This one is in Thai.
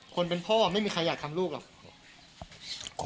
คนเป็นพ่อไม่มีใครอยากทำลูกหรอก